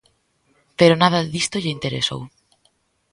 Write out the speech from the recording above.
Pero nada disto lle interesou.